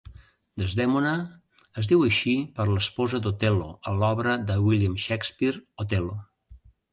Desdèmona es diu així per l'esposa d'Otel·lo a l'obra de William Shakespeare 'Otel·lo'.